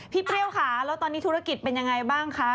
เปรี้ยวค่ะแล้วตอนนี้ธุรกิจเป็นยังไงบ้างคะ